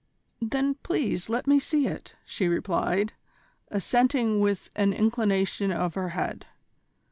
"Then please let me see it," she replied, assenting with an inclination of her head.